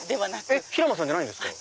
えっ平間さんじゃないんですか？